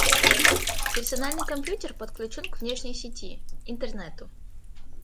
Персональный компьютер подключен к внешней сети – Интернету